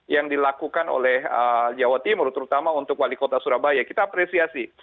yang dilakukan oleh jawa timur terutama untuk wali kota surabaya kita apresiasi